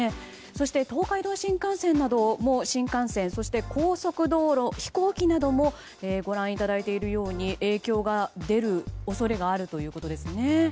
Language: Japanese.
そして東海道新幹線などの新幹線そして高速道路、飛行機などもご覧いただいているように影響が出る恐れがあるということですね。